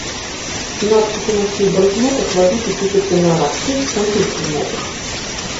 Надпісы на ўсіх банкнотах валюты пішуцца на арабскай і французскай мовах.